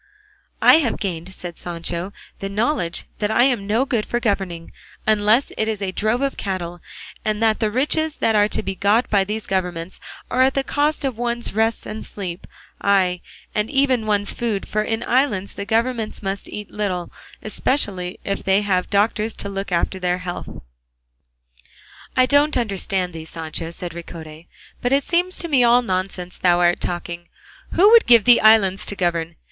"I have gained," said Sancho, "the knowledge that I am no good for governing, unless it is a drove of cattle, and that the riches that are to be got by these governments are got at the cost of one's rest and sleep, ay and even one's food; for in islands the governors must eat little, especially if they have doctors to look after their health." "I don't understand thee, Sancho," said Ricote; "but it seems to me all nonsense thou art talking. Who would give thee islands to govern?